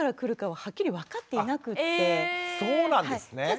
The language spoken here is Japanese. そうなんですね。